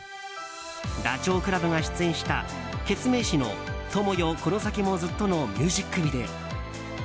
ダチョウ倶楽部が出演したケツメイシの「友よこの先もずっと・・・」のミュージックビデオ。